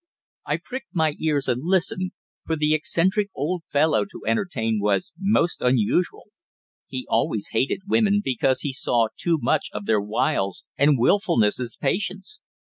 I pricked my ears and listened for the eccentric old fellow to entertain was most unusual. He always hated women, because he saw too much of their wiles and wilfulness as patients.